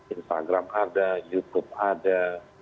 instagram ada youtube ada